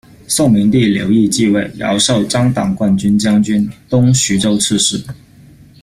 宋明帝刘彧继位，遥授张谠冠军将军、东徐州刺史。